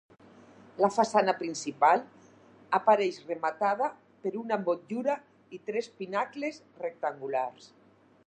La façana principal apareix rematada per una motllura i tres pinacles rectangulars.